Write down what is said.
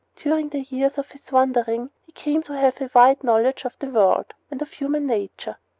During the years of his wandering he came to have a wide knowledge of the world and of human nature.